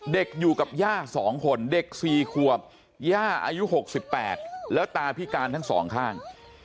อยู่กับย่า๒คนเด็ก๔ขวบย่าอายุ๖๘แล้วตาพิการทั้งสองข้าง